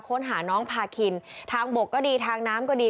ค้นหาน้องพาคินทางบกก็ดีทางน้ำก็ดี